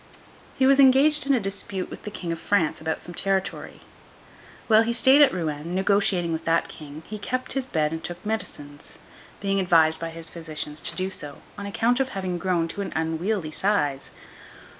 He was engaged in a dispute with the King of France about some territory. While he stayed at Rouen, negotiating with that King, he kept his bed and took medicines: being advised by his physicians to do so, on account of having grown to an unwieldy size.